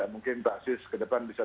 mungkin pak sis ke depan bisa